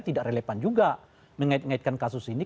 tidak relevan juga mengaitkan kasus ini